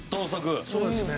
そうですね。